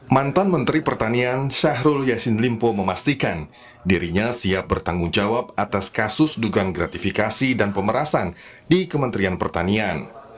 mantan menteri pertanian syahrul yassin limpo memastikan dirinya siap bertanggung jawab atas kasus dugaan gratifikasi dan pemerasan di kementerian pertanian